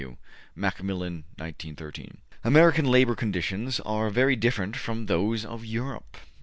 W.'' (Macmillan, 1913). American labor conditions are very different from those of Europe.